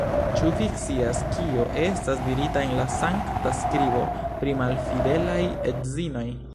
Ĉu vi scias, kio estas dirita en la Sankta Skribo pri malfidelaj edzinoj?